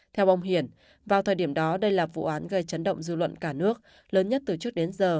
theo ông hiển vào thời điểm đó đây là vụ án gây chấn động dư luận cả nước lớn nhất từ trước đến giờ